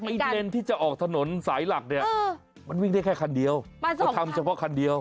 เลนส์ที่จะออกถนนสายหลักเนี่ยมันวิ่งได้แค่คันเดียวเขาทำเฉพาะคันเดียว